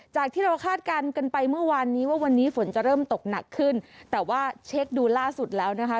จากที่เราคาดการณ์กันไปเมื่อวานนี้ว่าวันนี้ฝนจะเริ่มตกหนักขึ้นแต่ว่าเช็คดูล่าสุดแล้วนะคะ